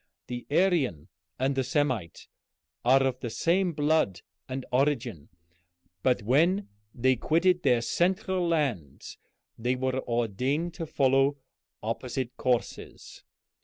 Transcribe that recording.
The Aryan and the Semite are of the same blood and origin, but when they quitted their central land they were ordained to follow opposite courses.